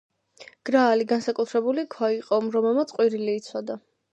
გრაალი განსაკუთრებული ქვა იყო, რომელმაც ყვირილი იცოდა.